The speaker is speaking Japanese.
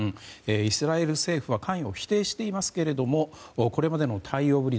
イスラエル政府は関与を否定していますけれどもこれまでの対応ぶり